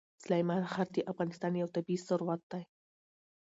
سلیمان غر د افغانستان یو طبعي ثروت دی.